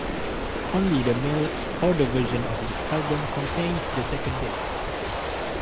Only the mail-order version of this album contains the second disc.